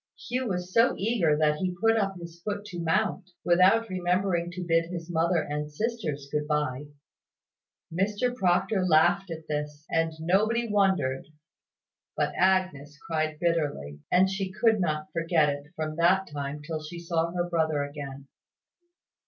Hugh was so eager, that he put up his foot to mount, without remembering to bid his mother and sisters good bye. Mr Proctor laughed at this; and nobody wondered; but Agnes cried bitterly; and she could not forget it, from that time till she saw her brother again.